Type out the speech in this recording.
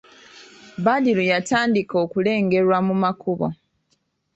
Badru yatandika okulengerwa mu makubo.